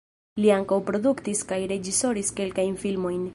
Li ankaŭ produktis kaj reĝisoris kelkajn filmojn.